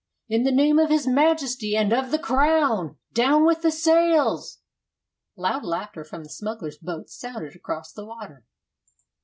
"In the name of his Majesty and of the Crown, down with the sails." Loud laughter from the smugglers' boat sounded across the water.